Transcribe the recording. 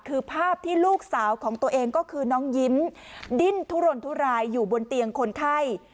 คือภาพที่ลูกสาวของตัวเองก็คือน้องยิ้มดิ้นทุรนทุรายอยู่บนเตียงคนไข้